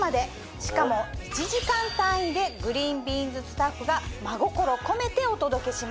しかも１時間単位でＧｒｅｅｎＢｅａｎｓスタッフが真心込めてお届けします。